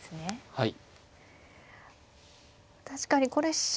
はい。